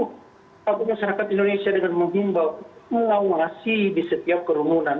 kalau masyarakat indonesia dengan mengimbau melawasi di setiap kerumunan